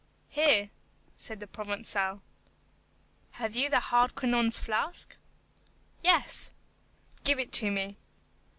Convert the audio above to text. "Here," said the Provençal. "Have you Hardquanonne's flask?" "Yes." "Give it me."